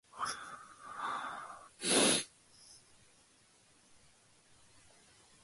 The land added of new territory to the United States.